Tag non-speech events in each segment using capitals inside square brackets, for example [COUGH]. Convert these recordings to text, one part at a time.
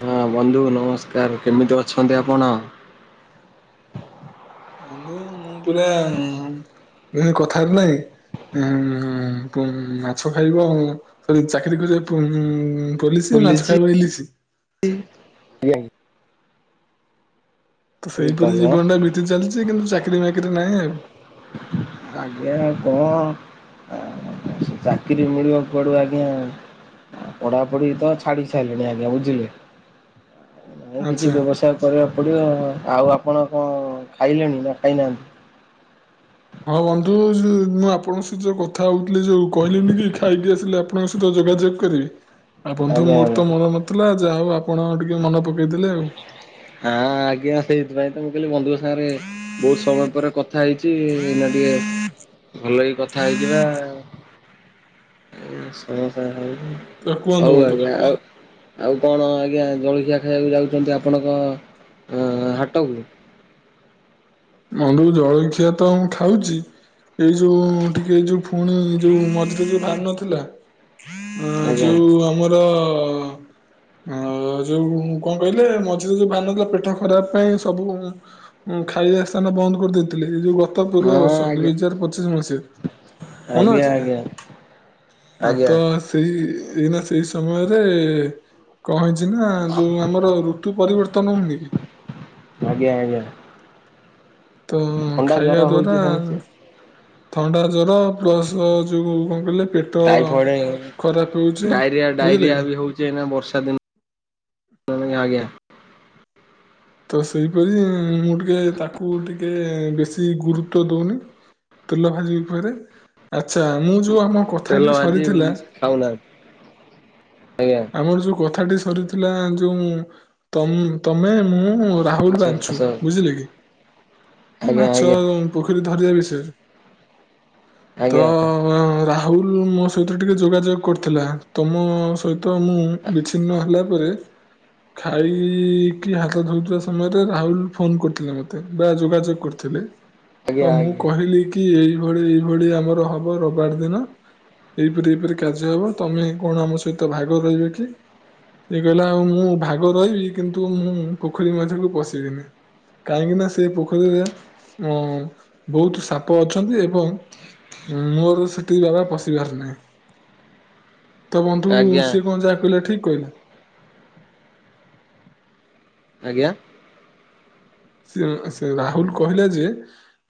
ହଁ ବନ୍ଧୁ ନମସ୍କାର, କେମିତି ଅଛନ୍ତି ଆପଣ? [INAUDIBLE] ବନ୍ଧୁ ମୁଁ ପୁରା ଗୋଟେ କଥାରେ ନାହିଁ ଉଁ- ଉଁ ମାଛ ଖାଇବ ଚାକିରି କରିବ ପୋ ପୋଲିସି ମାଛ ବୁଲିଛି ଖାଇବ ଇଲିଶି। [UNINTELLIGIBLE] ତ ଏଇ ସେଇପରି ତଲ ଜୀବନ ଟା ବିତି ଚାଲିଛି, କିନ୍ତୁ ଚାକିରି ବାକିରି ନାହିଁ ଆଉ। ଆଜ୍ଞା କଣ? ଚାକିରି ମିଳିବ କୁଆଡୁ ଆଜ୍ଞା? ପଢାପଢି ତ ଛାଡି ସାରିଲିଣି, ଆଜ୍ଞା ବୁଝିଲେ? ଆଉ କିଛି ଆଚ୍ଛା ବ୍ୟବସାୟ କରିବାକୁ ପଡିବ ଆଉ। ଆଉ ଆ ଆପଣ କଣ ଖାଇଲେଣି ନା ଖାଇ ନାହାନ୍ତି? ହଁ ବନ୍ଧୁ ମୁଁ ଆପଣଙ୍କ ସହିତ କଥା ହଉଥିଲି, ଯୋଉ କହିଲିିନି କି ଖାଇକି ଆସିଲି। ଆପଣଙ୍କ ସହିତ ଯୋଗା ଯୋଗ କରିବି। ଆଁ ବନ୍ଧୁ ଆଜ୍ଞା ମୋର ଆଜ୍ଞା ହଁ ତ ମନ ନଥିଲା, ଯାହା ହଉ ଆଉ ଆପଣ ଟିକେ ମନେ ପକେଇ ଦେଲେ ଆଉ। ହଁ ଆଜ୍ଞା ସେଇଥିପାଇଁ ତ ମୁଁ କହିଲି ବନ୍ଧୁଙ୍କ ସାଙ୍ଗରେ, ବହୁତ ସମୟ ପରେ କ ଥା ହେଇଛି, ଏଇନା ଟିକେ ଭଲ ହେଇ କଥା ହେଇଯିବା। [UNINTELLIGIBLE] କୁହନ୍ତୁ ହଉ ବନ୍ଧୁ। ଆଜ୍ଞା ଆଉ ଆଉ। କଣ ଆଜ୍ଞା ଜଳଖିଆ ଖାଇବାକୁ ଯାଉଛନ୍ତି ଆପଣଙ୍କ ଅ ହାଟକୁ? ବନ୍ଧୁ ଜଳଖିଆ ତ ମୁଁ ଖାଉଛି ଏଇ ଯୋଉ ଟିକେ ଏଇ ଯୋଉ ଫୁଣି ଯୋଉ ମଝିରେ ଯୋଉ ଭାରିନଥିଲା ଅ ଯୋଉ ଆମର ହ [INAUDIBLE] ଆ ଯୋଉ କଣ କହିଲେ ମଝିରେ ଯୋଉ ଭାରିନଥିଲା ପେଟ ଖରାପ ପାଇଁ ସବୁ ଖାଇ ଦୋକାନ ବନ୍ଦ କରିଦେଇଥିଲେ ଏ ଯୋଉ ଗ ତ ପୂର୍ବ ହଁ ବର୍ଷ ଦୁଇ ଆଜ୍ଞା ହଜାର ପଚିଶ ମସିହାରେ ମନ ଆଜ୍ଞା ଅଛି ନା? ଆଜ୍ଞା। ଆ ଆଜ୍ଞା। ତ ସେଇ ଏଇ ନା ସେଇ ସମୟରେ କଣ ହେଇଛି ନା ଯୋଉ ଆମର ଋତୁ ପରିବର ତନ ହଉନି କି ଆଜ୍ଞା ଆଜ୍ଞା। ତ ଥଣ୍ଡା ଜର ଖାଇବା ଦ୍ଵାରା ହଉଛି ସମସ୍ତେ। ଥଣ୍ଡା ଜ୍ବର ବୟସ ଯୋଉ କଣ କହିଲେ ପେଟ ଟାଇଫଏଡ ଖରାପ ହଉଚି ଡାଇରିଆ ଡାଇରିଆ ବୁଝିଲେ ବି କି? ହଉଛି ବର୍ଷା ଦିନ ହ [INAUDIBLE] ଆଜ୍ଞା। ତ ସେଇପରି ମୁଁ ଟିକେ ତାକୁ ଟିକେ ବେଶୀ ଗୁରୁତ୍ବ ଦଉନି। ତେଲ ଭାଜି ଉପରେ ଆଚ୍ଛା ମୁଁ ଯୋଉ ଆମ ତେଲ କଥାଟି ଭାଜି ସରିଥିଲା ଖାଉନାହାନ୍ତି ଆଜ୍ଞା ଆମର ଯୋଉ କଥାଟି ସରିଥିଲା ଯୋଉ ତମ ତମେ ମୁଁ ହଁ ରାହୁଲ ମାଛ ବାଛୁ ଚାଷ ବୁଝିଲେ କି ଆଜ୍ଞା ମାଛ ଆଜ୍ଞା ପୋଖରୀ ଧରିବା ବିସ୍ ତ ଆଜ୍ଞା ହା ରାହୁଲ ମୋ ସହିତରେ ଟିକେ ଯୋଗାଯୋଗ କରିଥିଲା ତମ ସହିତ ତ ମୁଁ ବିଚ୍ଛିନ୍ନ ହେଲା ପରେ ଖାଇଇକି ହାତ ଧଉଥିବା ସମୟରେ ରାହୁଲ ଫୋନ କରିଥିଲେ ମତେ ବା ଯୋଗାଯୋଗ କରିଥିଲେ। ତ ଆଜ୍ଞା ମୁଁ ଆଜ୍ଞା କହିଲି କି ଏଇଭଳି ଏଇଭଳି ଆମର ହବ ରବିବାର ଦିନ। ଏଇପରି ଏଇପରି କାର୍ଯ୍ୟ ହବ ତମେ କଣ ଆମ ସହିତ ଭାଗ ରହିବ କି? ସେ କହିଲା ଆଉ ମୁଁ ଭାଗ ରହିବି, କିନ୍ତୁ ମୁଁ ପୋଖରୀ ମଝିକୁ ପଶିବିନି। କାହିଁକି ନା ସେ ପୋଖରୀରେ ଆଁ ବହୁତ ସାପ ଅଛନ୍ତି ଏବଂ ମୋର ସେଠିକି ବାବା ପଶିିବାର ନାହିଁ। [INAUDIBLE] ତୁ ସିଏ କଣ ଯାହା କହିଲା ଠିକ କହିଲା? ଆଜ୍ଞା ସେ ସେ ରାହୁଲ କହିଲା ଯେ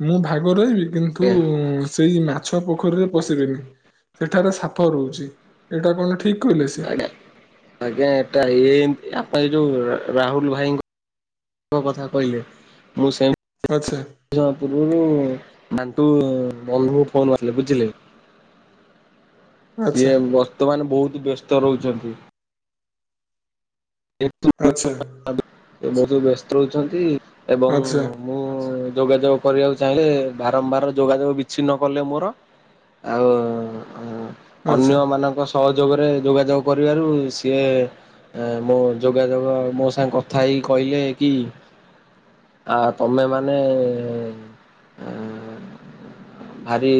ମୁଁ ଭାଗ ରହିବି କିନ୍ତୁ ସେଇ ମା ଛ ପୋଖରୀରେ ପଶିବିନି। ସେଠାରେ ସାପ ରହୁଛି ଏଇଟା କଣ ଠିକ କହିଲେ ସେ? ଆଜ୍ଞା ଆଜ୍ଞା ଆଜ୍ଞା ଏଟା ଇଏ ଏମତି ଆପ ଯୋଉ ରାହୁଲ ଭାଇଙ୍କ ତୋକଥା କହିଲେ ମୁ ସେମ୍। ଆଚ୍ଛା [UNINTELLIGIBLE] ବନ୍ଧୁ ଫୋନ ମାରିଲେ ବୁଝିଲେ। ଆଚ୍ଛା ସିଏ ବର୍ତ୍ତମାନ ବହୁତ ବ୍ୟସ୍ତ ରହୁଛନ୍ତି। ଆଚ୍ଛା ବହୁତ ବ୍ୟସ୍ତ ରହୁଛନ୍ତି ଏବଂ ଆଚ୍ଛା ମୁଁ ଯୋଗାଯୋଗ କରିବାକୁ ଚାହିଁଲେ ବାରମ୍ବାର ଯୋଗାଯୋଗ ବିଚ୍ଛିନ୍ନ କଲେ ମୋର ଆଉ ଆଚ୍ଛା। ଅନ୍ୟ ମାନଙ୍କ ସହଯୋଗରେ ଯୋଗାଯୋଗ କରିବାରୁ ସିଏ ଏ ମୋ ଯୋଗାଯୋଗ ମୋ ସାଙ୍ଗେ କଥା ହେଇକି କହିଲେ କି ଆ ତମେ ମାନେ ଭାରି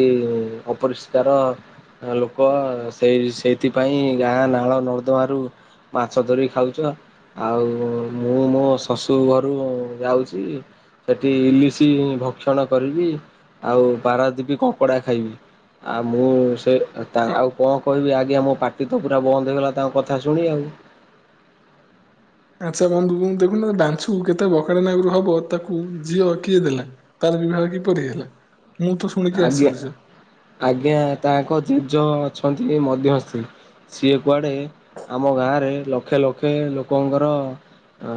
ଅପରିଷ୍କାର ଲୋକ ସେଇ ସେଇଥିପାଇଁ ଗାଁ ନାଳ ନର୍ଦମା ରୁ ମାଛ ଧରିିକି ଖାଉଛ ଆଉ ମୁଁ ମୋ ଶଶୁ ଘରୁ ଯାଉଛି ସେଠି ଇଲିଶି ଭକ୍ଷଣ କରିବି ଆଉ ପାରାଦିପି କଙ୍କଡା ଖାଇବି। ଆଉ ମୁଁ ସେ ଅ, ଆଉ କଣ କହିବି ଆଜ୍ଞା ମୋ ପାଟି ତ ପୁରା ବନ୍ଦ ହେଇଗଲା ତାଙ୍କ କଥା ଶୁଣି ଆଉ।। [UNINTELLIGIBLE] ଦେଖୁନ ବାଛୁ କେତେ ବକଡା ନାଗରୁ ହବ ତାକୁ ଝିଅ କିଏ ଦେଲା ତାର ବିବାହ କିପରି ହେଲା? ମୁଁ ତ ଶୁଣିକି ଆଜ୍ଞା ଆଶ୍ଚର୍ଯ୍ୟ ଆଜ୍ଞା ତାଙ୍କ ଜେଜ ଅଛନ୍ତି ମଧ୍ୟସ୍ତି। ସିଏ କୁଆଡେ ଆମ ଗାଁରେ ଲକ୍ଷେ ଲକ୍ଷେ ଲୋକଙ୍କର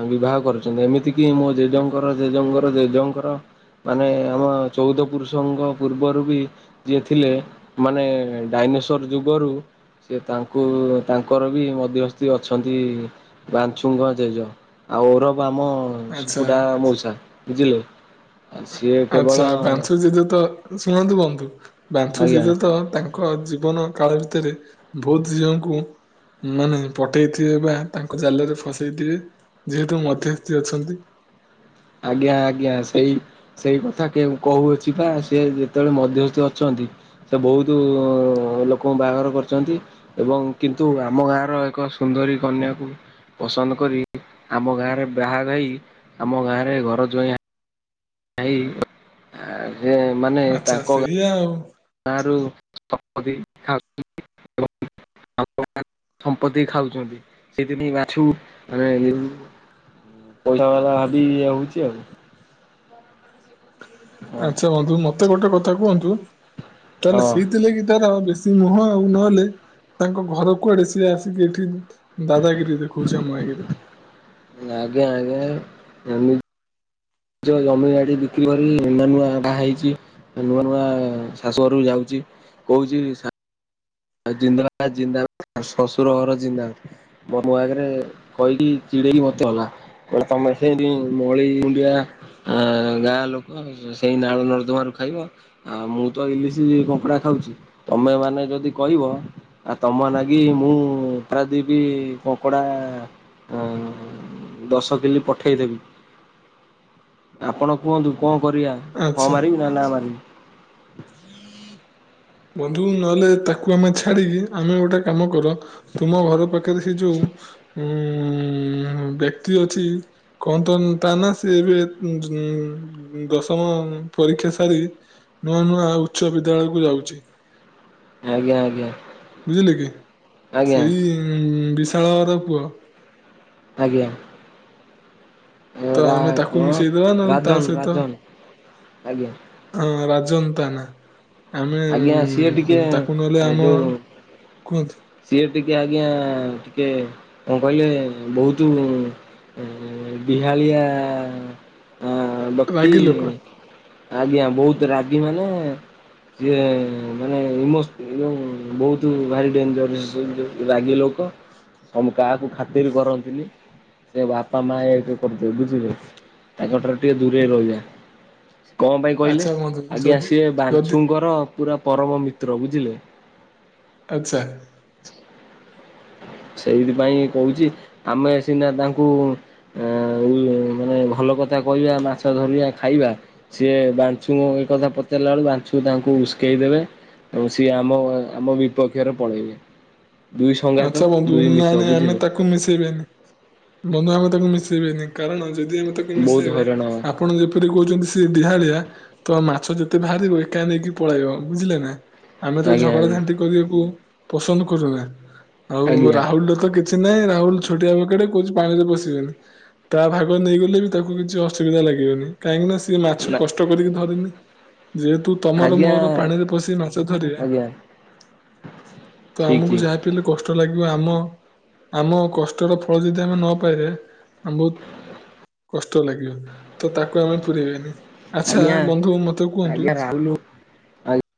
ବିବାହ କରୁଛନ୍ତି ଏମିତି କି ମୋ ଜେଜେଙ୍କର ଜେଜେଙ୍କର ଜେଜଙ୍କର ମାନେ ଆମ ଚଉଦ ପୁରୁଷଙ୍କ ପୂର୍ବରୁ ବି ଯିଏ ଥିଲେ ମାନେ ଡାଇନୋସର ଯୁଗରୁ ସେ ତାଙ୍କୁ ତାଙ୍କର ବି ମଧ୍ୟସ୍ଥି ଅଛନ୍ତି ବାଛୁଙ୍ଗ ଜେଜ ଆଉ ଔରବ ଆମ ସୁକୁଟା ଆଚ୍ଛା। ମଉସା ବୁଝିଲୁ। ଆଛା ବାଂଶୁ ଜେଜେ ତ ଶୁଣନ୍ତୁ ବନ୍ଧୁ ବାଞ୍ଚୁ ଆଜ୍ଞା ଜେଜେ ତ ତାଙ୍କ ଜୀବନ କାଳ ଭ ରେ ବହୁତ ଝିଅଙ୍କୁ ମାନେ ପଠେଇଥିବେ ବା ତାଙ୍କ ଜାଲରେ ଫସେଇଥିବେ ଯେହେତୁ ମଧ୍ୟସ୍ଥି ଅଛନ୍ତି। [UNINTELLIGIBLE] ଆଜ୍ଞା ଆଜ୍ଞା ସେଇ ସେଇ କଥା କହୁଅଛି ପା ସେ ଯେତେବେଳେ ମଧ୍ୟସ୍ଥି ଅଛନ୍ତି ସେ ବହୁତ ଲୋକଙ୍କୁ ବାହାଘର କରିଛନ୍ତି ଏବଂ କିନ୍ତୁ ଆମ ଗାଁର ଏକ ସୁନ୍ଦର କନ୍ୟା କୁ ପସନ୍ଦ କରି ଆମ ଗାଁ ରେ ବାହାଘର ହୋଇ ଏରେ ଘର ଜଇଁଆ ଭାଇ ଯେ ମାନେ ଆଚ୍ଛା ତାଙ୍କ ସେଇଆ ଆଉ [UNINTELLIGIBLE] ସମ୍ପତ୍ତି ଖାଉଛନ୍ତି ସେଥିପାଇଁ ମା ପଇସା ବାଲା ଭାବି ଇଏ ହଉଛି ଆଉ ହଁ ଆଛା ବନ୍ଧୁ ମତେ ଗୋଟେ କଥା କୁହନ୍ତୁ? ତାହେଲେ ହଁ ସିଇଥିଲେ କି ସେ ମୁହଁ ଆଉ ନହେଲେ ତାଙ୍କ ଘର କୁଆଡେ ସିଏ ଆସିକି ଏଠି ଦାଦାଗିରି ଦେଖାଉଚି ଆମ ଆଗରେ ଆଜ୍ଞ ଆଜ୍ଞା। ନିଜ ଜମି ବାଡ଼ି ବିକ୍ରି କରି ନୂଆ ନୂଆ ବାହା ହେଇଛି ନୂଆ ନୂଆ ଶାଶୁ ଘରକୁ ଯାଉଛି। କହୁଛି ସ ଆଉ ଜିନ୍ଦାବାଦ୍ ଜିନ୍ଦାବାଦ୍ ଶଶୁର ଘର ଜିନ୍ଦାବାଦ୍। [UNINTELLIGIBLE] ଗଟେ ତମେ ସେଇଠି ମଳି ମୁଣ୍ଡିଆ ଅ ଗାଁ ଲୋକ ସେଇ ନାଳ ନର୍ଦ୍ଦମା ଖାଇବ ଆଉ ମୁଁ ତ ଇଲିଶି କଙ୍କଡା ଖାଉଛି, ତମେ ମାନେ ଯଦି କହିବ ଆଉ ତମ ନାଗି ମୁଁ ପାରାଦୀପ କଙ୍କଡା ଦଶ କିଲି ପଠେଇଦେବି ଆପଣ କୁହନ୍ତୁ? କଣ କରିବା ହଁ ଆଚ୍ଛା। ମାରିବି ନା ନା ମାରିବି? ବନ୍ଧୁ ନହେଲେ ତାକୁ ଆମେ ଛାଡିକି ଆମେ ଗୋଟେ କାମ କର ତୁମ ଘର ପାଖ ସେ ଯୋଉ ଉ ବ୍ୟକ୍ତି ଅଛି କହନ୍ତ ତା ନା ସ ଏବେ ଦଶମ ପରୀକ୍ଷା ସାରି ନୂଆ ନୂଆ ଉଚ୍ଚ ବିଦ୍ୟାଳୟକୁୁ ଯାଉଛି। ଆଜ୍ଞା ଆଜ୍ଞା। ବୁଝିଲେ କି ଆଜ୍ଞା -ସେଇ ବିଶାଳଘର ପୁଅ। ଆଜ୍ଞା। ତ ରା ଆମେ ତାକୁ କଣ ମିଶେଇଦବା ନହେଲେ ତା ରାଜନ ସହିତ, ରାଜନ ଆଜ୍ଞା ହଁ। ଜତା ନା। ଆମେ ଆଜ୍ଞା ସିଏ ଟିକେ ତାକୁ ନହେଲେ ଆମ ଯୋଉ କୁହନ୍ତୁ। ସିଏ ଟିକେ ଆଜ୍ଞା ଟିକେ କଣ କହିଲେ ବହୁତ ଏ ବିହାଳିଆ ହଁ ଭକ୍ତି ରାଗି ଲୋକ ଆଜ୍ଞା ବହୁତ ରାଗି ମାନେ ସିଏ ମାନେ ବହୁତ ଭାରି ଡେଞ୍ଜର ରାଗି ଲୋକ। ଆମ କାହାକୁ ଖାତିରି କରନ୍ତିନି। ସେ ବାପା ମା କରିଦେ ବୁଝିଲେ ତାଙ୍କଠାରୁ ଟିକେ ଦୂରେଇ ରହିଯା। କଣ ପାଇଁ କହିଲେ ଆଚ୍ଛା ବନ୍ଧୁ ଆଗେ ଯଦି ଆସିବେ ବା ଯଦି ପୁରା ପରମ ମିତ୍ର ବୁଝିଲେ। ଆଚ୍ଛା। ସେଇଥିପାଇଁ କହୁଛି ଆମେ ସିନା ତାଙ୍କୁ ମାନେ ଭଲ ଭଲ କଥା କହିବା ମାଛ ଧରିବା ଖାଇବା ସିଏ ବାଂଛୁ କଥା ପଚାରିଲା ବେଳକୁ ବାଛୁ ତାଙ୍କୁ ଉସ୍କେଇ ଦେବେ ଏବଂ ସିଏ ଆମ ଆମ ବିପକ୍ଷରେ ପଳେଇବେ ଦୁଇ ସଙ୍ଗାତ। ନା ଆମେ ତାକୁ ମିଶେଇବେନି ବନ୍ଧୁ ଆମେ ତାକୁ ମିଶେଇବେନି କାରଣ ଆ ଯଦି ଆମେ ତାକୁ ବହୁତ ମିଶାଇବା ହଇରାଣ ଆପଣ ଯେପରି କହୁଛନ୍ତି ସେ ଡିହାଳିଆ। ତ ଆ ମାଛ ଯେତେ ବାହାରିବ ଏକା ନେଇକି ପଳେଇବ ବୁଝିଲେ ନା ଆମେ ତ ହବା ଆଜ୍ଞା ଝଗଡା ଆଜ୍ଞା ଝାଣ୍ଟି କରିବାକୁ। ପସନ୍ଦ କରୁନା ଆଉ ଆଜ୍ଞା ରାହୁଲରେ ତ କେ କିଛି ନାହିଁ ରାହୁଲ ଛୋଟିଆ ବକଟେ କହୁଛି ପାଣିରେ ପଶିବେନି। ତା ଭାଗରେ ନେଇଗଲେ ବି ତାକୁ କିଛି ଅସୁବିଧା ଲାଗିବନି କାହିଁକି ନା ସିଏ ମାଛ ନା କଷ୍ଟ କରିକି ଧରିନି। ଯେହେତୁ ତମର ଆଜ୍ଞା ମୋର ପାଣିରେ ପଶି ମାଛ ଧରିବା। ଆଜ୍ଞା ତ ଠିକ ଆମକୁ ଠିକ। ଯାହା ପିଇଲେ କଷ୍ଟ ଲାଗିବ ଆମ ଆମ କଷ୍ଟର ଫଳ ଯଦି ଆମେ ନ ପାଇବା ଆମ ବ କଷ୍ଟ ଲାଗିବ ତ ତାକୁ ଆମେ ପୁରାଇବେନି। ଆଚ୍ଛା ଆଜ୍ଞା ବନ୍ଧୁ ମତେ କୁହନ୍ତୁ ଆଜ୍ଞା ରାହୁଲ ଆଜ୍ଞା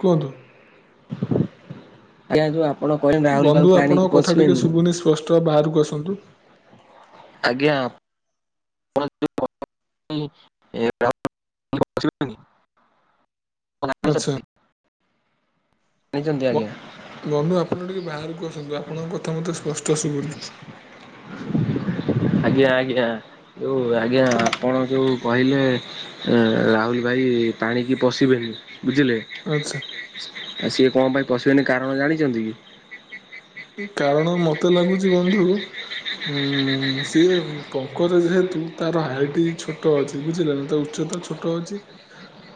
କୁହନ୍ତୁ ରାହୁଲ ବାବୁ ବନ୍ଧୁ ପାଣିକି ଆପଣଙ୍କ କଥା ଟିକେ ପଶିବେନି ଶୁଭୁନି ସ୍ପଷ୍ଟ ବାହାରକୁ ଆସନ୍ତୁ। ଆଜ୍ଞା। [INAUDIBLE] ଆଚ୍ଛା। [INAUDIBLE] ଜାଣିଛନ୍ତି ଆଜ୍ଞା ବନ୍ଧୁ ଆପଣ ଟିକେ ବାହାରକୁ ଆସନ୍ତୁ ଆପଣଙ୍କ କଥା। ତମକୁ ତ ସ୍ପଷ୍ଟ ଶୁଭନି। ଆଜ୍ଞା ଆଜ୍ଞା ଯଉ ଆଜ୍ଞା ଆପଣ ଯୋଉ କହିଲେ ରାହୁଲ ଭାଇ କି ପାଣିକି ପଶିବେନି। ବୁଝିଲେ ଆଚ୍ଛା। ଆ ସିଏ କଣ ପାଇଁ ପଶିବେନି କାରଣ ଜାଣିଛନ୍ତି କି? କାରଣ ମତେ ଲାଗୁଛି ବନ୍ଧୁ ଉଁ ସିଏ ପଙ୍କଜ ଯେହେତୁ ତାର ହାଇଟ୍ ଛୋଟ ଅଛି ବୁଝିଲ ନା ଉଚ୍ଚ ସେତ ଛୋଟ ଅଛି।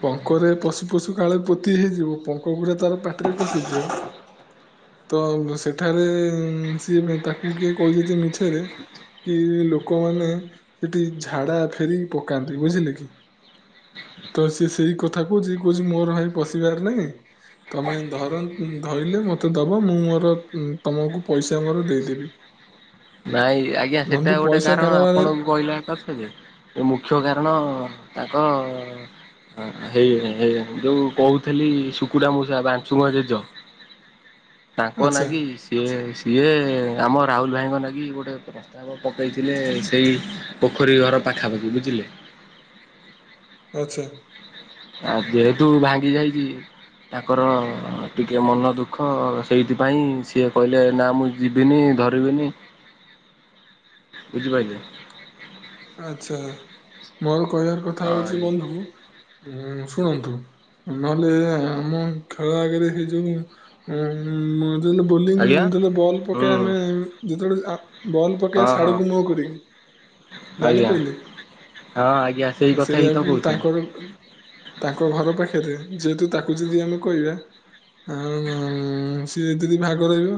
ପଙ୍କରେ ପଶୁ ପଶୁ କାଳେ ପୋତି ହେଇଯିବ ପଙ୍କ ଗୁଡା ତାର ପାଟିରେ ପଶିଯିବ। ତ ସେଠାରେ ସିଏ ତାକୁ କିଏ କହୁଛନ୍ତି ମିଛରେ କି ଲୋକମାନେ ସେଠି ଝାଡା ଫେରିିକି ପକାନ୍ତି ବୁଝିଲେ କି। ତ ସିଏ ସେଇ କଥା କହୁଛି ଯିଏ କହୁଛି ମୋର ଭାଇ ପଶିବାର ନାହିଁ। ତମେ ଧର ଧରିଲେ ମତେ ଦବ ମୁଁ ମୋର ଉଁ ତମକୁ ପଇସା ଆମର ଦେଇଦେବି। ନାଇଁ ଆଜ୍ଞା ସେଟା ବନ୍ଧୁ ଗୋଟେ ପଇସା କାରଣ କାରବାର ଆପଣଙ୍କୁ କହିଲା କରିଛନ୍ତି ଯେ ଏ ମୁଖ୍ୟ କାରଣ ତାଙ୍କ ହଁ ହେଇ ହେଇ ଯୋଉ କହୁଥିଲି ଶୁକୁଡା ମଉସା ବାଂଞ୍ଚୁଗୁଆ ଜେଜ [INAUDIBLE] ତାଙ୍କ ଆଚ୍ଛା ନାଗି ସିଏ ସିଏ ଆମ ରାହୁଲ ଭାଇଙ୍କ ନାଗି ଗୋଟେ ପ୍ରସ୍ତାବ ପକେଇଥିଲେ ସେଇ ପୋଖରୀ ଘର ପାଖାପାଖି ବୁଝିଲେ। ଆଛା। ଆଉ ଯେହେତୁ ଭାଙ୍ଗି ଯାଇଚି ତାଙ୍କର ଟିକେ ମନ ଦୁଃଖ ସେଇଥିପାଇଁ ସିଏ କହିଲେ ନା ମୁଁ ଯିବିନି। ଧରିବିନି ବୁଝିପାଇଲେ? ଆଚ୍ଛା ମୋର କହିବାର କଥା ହଁ ହଉଚି ବନ୍ଧୁ ଶୁଣନ୍ତୁ। ନହେଲେ ଆମ ଗାଁ ଆଗରେ ସେ ଯୋଉ ଉଁ ଯେତେବେଳେ ଆଜ୍ଞା ବଲିଂ ଆଜ୍ଞା ଯେତଳେ ବଲ୍ ହୁଁ ପକେଇବାର ନାଇଁ ଯେତେବେଳେ ଆ ବଲ ପକେଇବେ ହଁ ହଁ ସାଡକୁ ମୁହ କରିକି ଆଜ୍ଞା ଜାଣିପାରିଲେ? ହଁ ଆଜ୍ଞା ସେଇ କଥା ହିଁ ସେଇଆକୁ ତ କହୁଥିଲି। ତାଙ୍କର ତାଙ୍କ ଘର ପାଖରେ ରେ ଯେହେତୁ ତାକୁ ଯଦି ଆମେ କହିବା ଉଁ ସିଏ ଯଦି ଭାଗ ରହିବ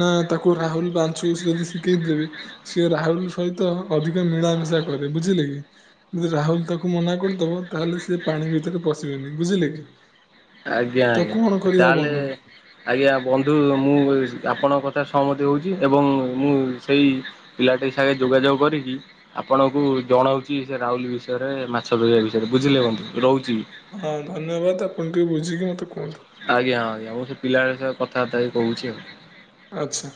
ନା ତାକୁ ରାହୁଲ ବଞ୍ଚୁ ଯଦି ଗେଟ୍ ଦେବି ସିଏ ରାହୁଲ ସହିତ ଅଧି ଟ ମିଳାମିଶା କରେ ବୁଝିଲେ କି ଯଦି ରାହୁଲ ତାକୁ ମନା କରିଦବ ତାହେଲେ ସେ ପାଣି ଭିତରେ ପଶିବେ ନି ବୁଝିଲେ କି? ଆଜ୍ଞା ତ ଆଜ୍ଞା କଣ କରିବା ତାହେଲେ ବନ୍ଧୁ? ଆଜ୍ଞା ବନ୍ଧୁ ମୁଁ ଆପଣଙ୍କ କଥା ସ୍ ସହମତି ହଉଚି ଏବଂ ମୁଁ ସେଇ ପିଲାଟି ସାଙ୍ଗେ ଯୋଗାଯୋଗ କରିକି ଆପଣଙ୍କୁ ଜଣଉଚି ସେ ରାଉଲ ବିଷୟରେ ମାଛ ଧରିବା ବିଷୟରେ ବୁଝିଲେ ବନ୍ଧୁ ରହୁଚି। ହଁ ଧନ୍ୟବାଦ ଆପଣ ଟିକେ ବୁଝିକି ମତେ କୁହନ୍ତୁ। ଆଜ୍ଞା ଆଜ୍ଞା ମୁଁ ସେ ପିଲାମାନଙ୍କ ସହ କଥାବାର୍ତ୍ତା ହେଇ କହୁଚି ଆଉ। ଆଚ୍ଛା।